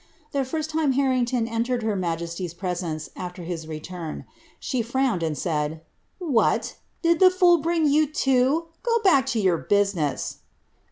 The first time Harrington entered her majesty's pre KDce, afWr his return, she frowned, and said, ^ What ! did the fool bring |rou, too ? Go back to your business."